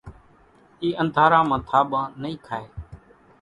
اِي انڌارا مان ٿاٻان نئي کائي